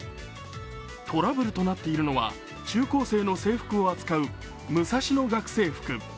トラブルとなっているのは中高生の制服を扱うムサシノ学生服。